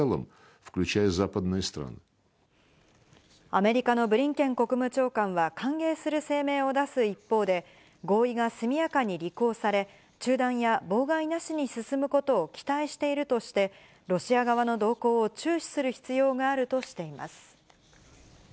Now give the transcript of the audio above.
アメリカのブリンケン国務長官は、歓迎する声明を出す一方で、合意が速やかに履行され、中断や妨害なしに進むことを期待しているとして、ロシア側の動向を注視する必要があるとしています。